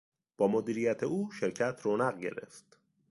با مدیریت او شرکت رونق گرفت.